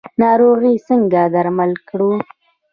ناروغي څنګه درمل کړو؟